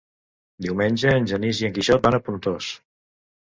Diumenge en Genís i en Quixot van a Pontós.